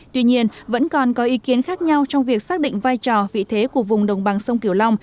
tuy nhiên vẫn còn có ý kiến khác nhau trong việc xác định vai trò vị thế của vùng đồng bằng sông kiều long